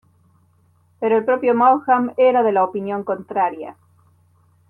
Pero el propio Maugham era de la opinión contraria.